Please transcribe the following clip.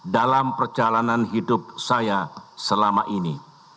dalam perjalanan hidup saya selama ini